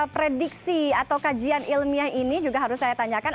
prediksi atau kajian ilmiah ini juga harus saya tanyakan